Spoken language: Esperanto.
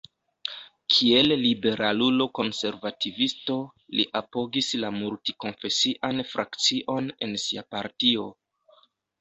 Kiel liberalulo-konservativisto li apogis la multi-konfesian frakcion en sia partio.